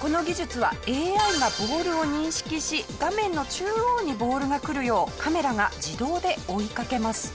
この技術はＡＩがボールを認識し画面の中央にボールが来るようカメラが自動で追いかけます。